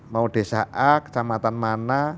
mau desa a kecamatan mana